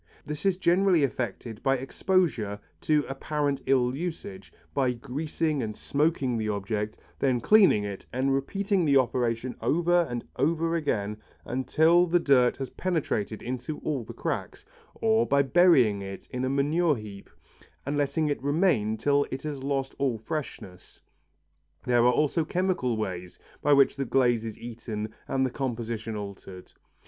This is generally effected by exposure to apparent ill usage, by greasing and smoking the object, then cleaning it and repeating the operation over and over again till the dirt has penetrated into all the cracks, or by burying it in a manure heap and letting it remain till it has lost all freshness. There are also chemical ways by which the glaze is eaten and its composition altered.